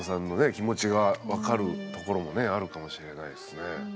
気持ちが分かるところもねあるかもしれないですねうん。